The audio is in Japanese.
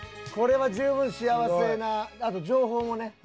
これは十分幸せなあと情報もね。